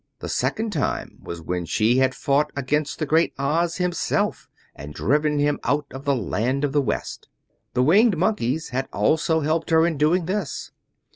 The second time was when she had fought against the Great Oz himself, and driven him out of the land of the West. The Winged Monkeys had also helped her in doing this.